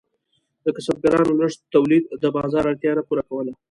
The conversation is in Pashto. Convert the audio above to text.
د کسبګرانو لږ تولید د بازار اړتیا نه پوره کوله.